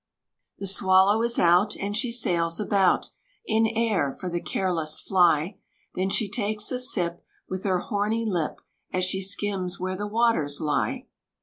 The swallow is out, And she sails about In air, for the careless fly: Then she takes a sip With her horny lip As she skims where the waters lie.